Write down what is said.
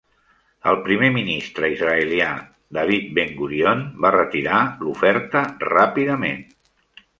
El primer ministre israelià David Ben-Gurion va retirar l'oferta ràpidament.